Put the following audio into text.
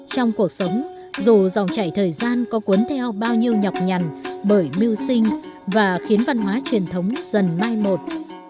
trong cuộc sống dù dòng chảy thời gian có cuốn theo bao nhiêu nhọc nhằn bởi mưu sinh và khiến văn hóa truyền thống dần mai một